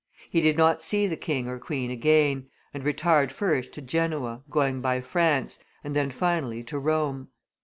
He did not see the king or queen again, and retired first to Genoa, going by France, and then finally to Rome.